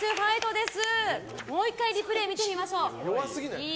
もう１回リプレー見てみましょう。